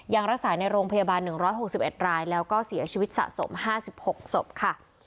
ยังรักษาในโรงพยาบาล๑๖๑รายแล้วก็เสียชีวิตสะสม๕๖ศพค่ะ